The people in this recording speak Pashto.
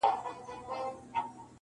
د وزر او د لکۍ په ننداره سو-